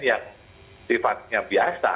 yang sifatnya biasa